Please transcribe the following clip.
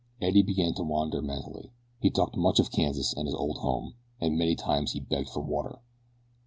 Eddie began to wander mentally. He talked much of Kansas and his old home, and many times he begged for water.